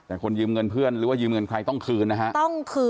แต่คนยืมเงินเพื่อนหรือว่ายืมเงินใครต้องคืนนะฮะ